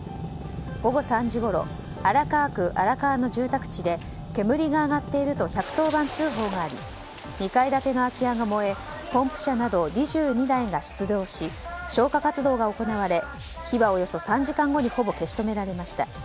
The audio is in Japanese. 午後３時ごろ荒川区荒川の住宅地で煙が上がっていると１１０番通報があり２階建ての空き家が燃えポンプ車など２２台が出動し消火活動が行われ火はおよそ３時間後にほぼ消し止められました。